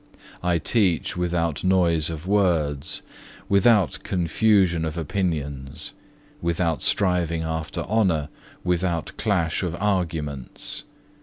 I teach without noise of words, without confusion of opinions, without striving after honour, without clash of arguments.